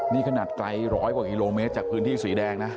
นี่ขนาดไกลร้อยกว่ากิโลเมตรจากพื้นที่สีแดงนะ